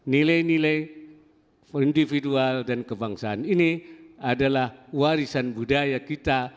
nilai nilai individual dan kebangsaan ini adalah warisan budaya kita